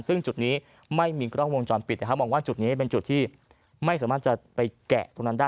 ซึ่งจุดนี้ไม่มีกล้องวงจรปิดนะครับมองว่าจุดนี้เป็นจุดที่ไม่สามารถจะไปแกะตรงนั้นได้